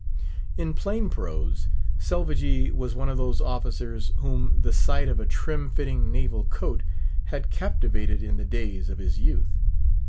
In plain prose, Selvagee was one of those officers whom the sight of a trim fitting naval coat had captivated in the days of his youth.